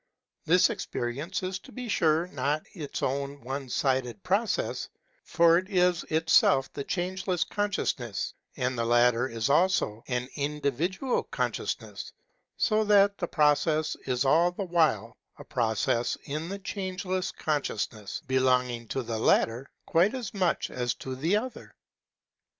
This experience is to be sure hot its own one sided process; for it is itself the Changeless Consciousness, and the latter is also an individual consciousness ; so that the process is all the while a process in the Changeless Consciousness, belonging to the latter quite as much as to the other.